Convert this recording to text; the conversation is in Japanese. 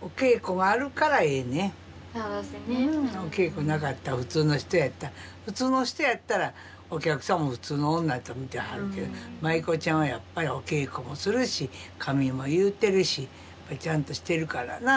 お稽古なかったら普通の人やったら普通の人やったらお客さんも普通の女と見てはるけど舞妓ちゃんはやっぱりお稽古もするし髪も結うてるしちゃんとしてるからな。